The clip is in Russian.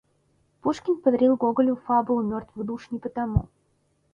Пушкин подарил Гоголю фабулу "Мертвых душ" не потому